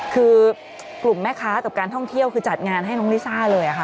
คือกลุ่มแม่ค้ากับการท่องเที่ยวคือจัดงานให้น้องลิซ่าเลยค่ะ